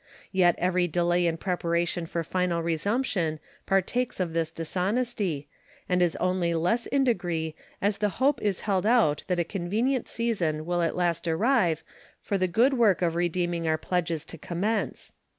Yet every delay in preparation for final resumption partakes of this dishonesty, and is only less in degree as the hope is held out that a convenient season will at last arrive for the good work of redeeming our pledges to commence.